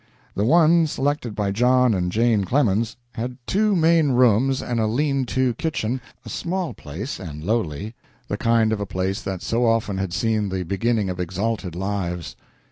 The one selected by John and Jane Clemens had two main rooms and a lean to kitchen a small place and lowly the kind of a place that so often has seen the beginning of exalted lives.